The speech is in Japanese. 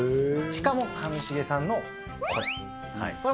しかも上重さんのこれ。